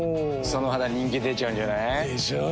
その肌人気出ちゃうんじゃない？でしょう。